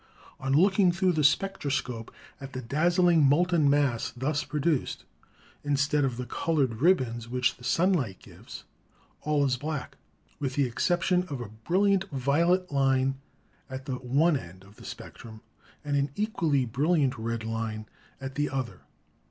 On looking through the spec troscope at the dazzling molten mass thus produced (instead of the colored ribbons which the sunlight gives) all is black, with the exception of a brilliant violet line at the one end of the spectrum and an equally brilliant red line at the other end.